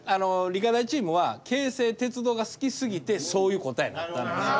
理科大チームは京成鉄道が好きすぎてそういう答えになったんですよ。